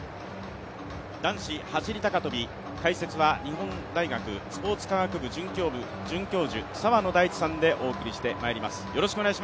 男子走高跳、解説は日本大学スポーツ科学部准教授澤野大地さんでお送りしてまいります。